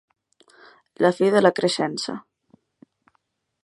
La fi de la creixença.